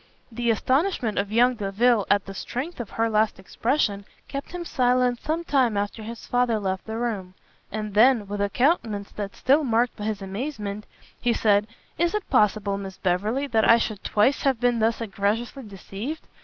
The astonishment of young Delvile at the strength of her last expression kept him silent some time after his father left the room; and then, with a countenance that still marked his amazement, he said "Is it possible, Miss Beverley, that I should twice have been thus egregiously deceived?